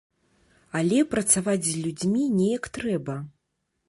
Але працаваць з людзьмі неяк трэба.